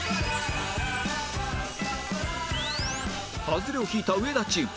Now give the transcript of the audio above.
ハズレを引いた上田チーム